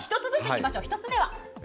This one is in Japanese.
１つ目は？